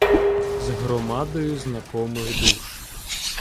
З громадою знакомих душ.